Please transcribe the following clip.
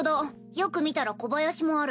よく見たら小林もある。